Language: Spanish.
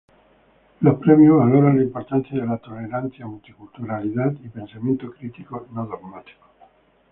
Los premios valoran la importancia de la tolerancia, multiculturalidad y pensamiento crítico no dogmático.